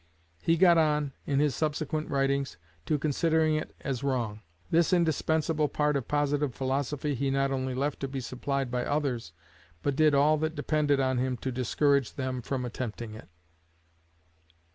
He got on, in his subsequent writings, to considering it as wrong. This indispensable part of Positive Philosophy he not only left to be supplied by others, but did all that depended on him to discourage them from attempting it.